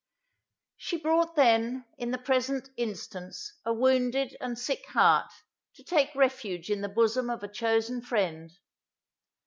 She brought then, in the present instance, a wounded and sick heart, to take refuge in the bosom of a chosen friend.